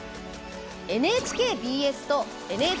ＮＨＫＢＳとＮＨＫＢＳ